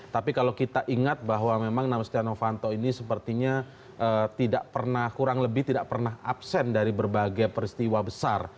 tapi kalau kita ingat bahwa memang nama setia novanto ini sepertinya tidak pernah kurang lebih tidak pernah absen dari berbagai peristiwa besar